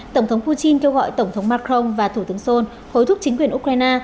tổng thống putin kêu gọi tổng thống macron và thủ tướng sol hối thúc chính quyền ukraine